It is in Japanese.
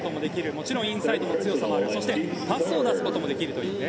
もちろんインサイドの強さもあるそして、パスを出すこともできるというね。